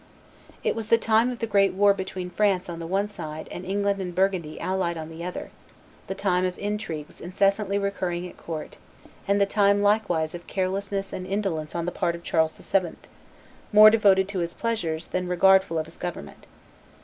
It was the time of the great war between France on the one side and England and Burgundy allied on the other, the time of intrigues incessantly recurring at court, and the time likewise of carelessness and indolence on the part of Charles VII., more devoted to his pleasures than regardful of his government.